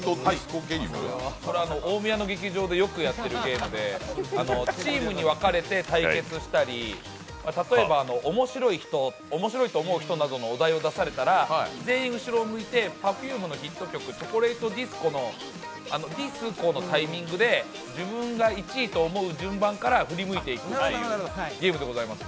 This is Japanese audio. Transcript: これは大宮の劇場でよくやっているゲームでチームに分かれて対決したり例えば、面白いと思う人などのお題を出されたら全員後ろを向いて Ｐｅｒｆｕｍｅ のヒット曲「チョコレイト・ディスコ」のディスコのタイミングで自分が１位と思う順番から振り向いていくというゲームでございます。